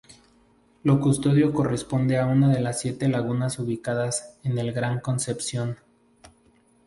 Lo Custodio corresponde a una de las siete lagunas ubicadas en el Gran Concepción.